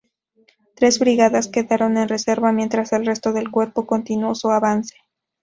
Tres Brigadas quedaron en reserva, mientras el resto del Cuerpo continuó su avance.